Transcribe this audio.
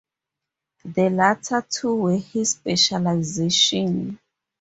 The latter two were his specialization.